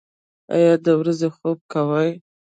ایا د ورځې خوب کوئ؟